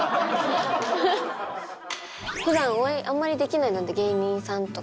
普段お会いあんまりできないので芸人さんとか。